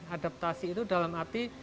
adaptasi itu dalam arti